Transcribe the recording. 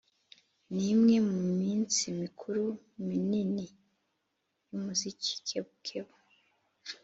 nimwe muminsi mikuru minini yumuziki. (kebukebu)